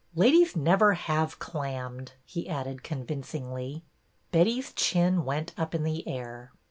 Ladies never have clammed," he added convincingly. Betty's chin went up in the air.